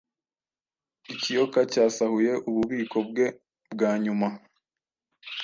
Ikiyoka cyasahuye ububiko bwe bwa nyuma